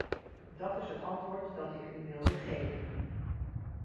Dat is het antwoord dat ik u wilde geven.